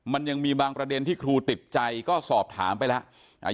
มันยังมีบางประเด็นที่ครูติดใจก็สอบถามไปแล้ว